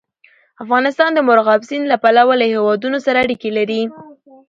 افغانستان د مورغاب سیند له پلوه له هېوادونو سره اړیکې لري.